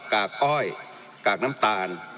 กากอ้อยกากน้ำตาล